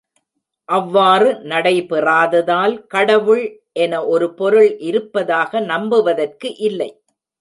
அவ்வாறு நடைபெறாததால், கடவுள் என ஒரு பொருள் இருப்ப தாக நம்புவதற்கு இல்லை.